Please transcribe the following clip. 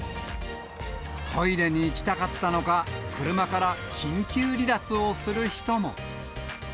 トイレに行きたかったのか、車から緊急離脱をする人も。